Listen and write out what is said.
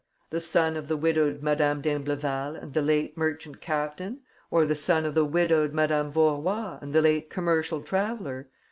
The son of the widowed Madame d'Imbleval and the late merchant captain or the son of the widowed Madame Vaurois and the late commercial traveller?